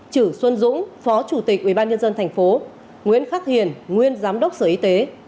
chữ xuân dũng phó chủ tịch ủy ban nhân dân tp nguyễn khắc hiền nguyên giám đốc sở y tế